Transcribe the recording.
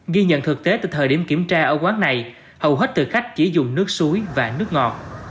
ghi nhận thực tế từ thời điểm kiểm tra ở quán này hầu hết thực khách chỉ dùng nước suối và nước ngọt